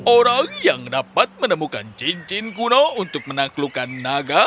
orang yang dapat menemukan cincin kuno untuk menaklukkan naga